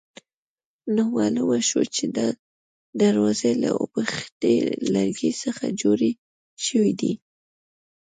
نو معلومه شوه چې دا دروازې له اوبښتي لرګي څخه جوړې شوې دي.